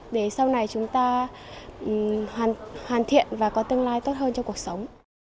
để sau này chúng ta hoàn thiện và có tương lai tốt hơn trong cuộc sống